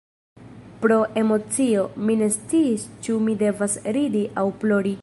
Pro emocio, mi ne sciis ĉu mi devas ridi aŭ plori...